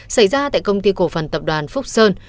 xảy ra tại công ty cổ phần tập đoàn phúc sơn